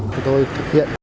chúng tôi thực hiện